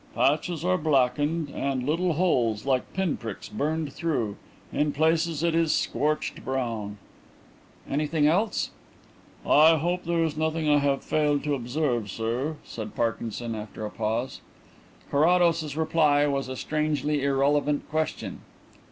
"Patches are blackened, and little holes like pinpricks burned through. In places it is scorched brown." "Anything else?" "I hope there is nothing I have failed to observe, sir," said Parkinson, after a pause. Carrados's reply was a strangely irrelevant question.